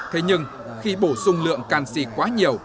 thế nhưng khi bổ sung lượng canxi quá nhiều